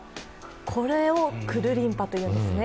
これを、くるりんぱと言うんですね